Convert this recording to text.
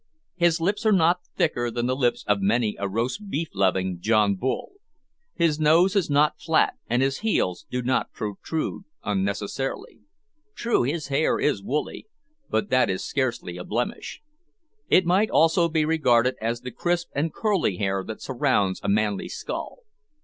His lips are not thicker than the lips of many a roast beef loving John Bull. His nose is not flat, and his heels do not protrude unnecessarily. True, his hair is woolly, but that is scarcely a blemish. It might almost be regarded as the crisp and curly hair that surrounds a manly skull.